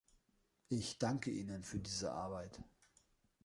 Ich danke Ihnen für diese Arbeit.